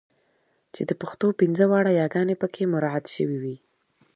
چې د پښتو پنځه واړه یګانې پکې مراعات شوې وي.